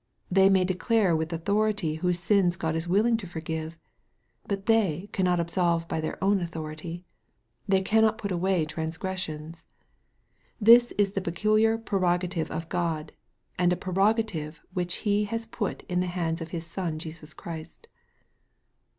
They may declare with authority whose sins God is willing to forgive. But they cannot absolve by their own authority. They cannot put away transgressions. This is the peculiar prerogative of God, and a prerogative which He has put in the hands of His Son Jesus Christ.